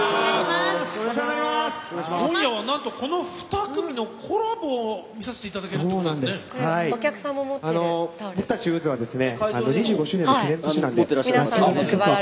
今夜は、なんとこの２組のコラボを見させていただけるんですね。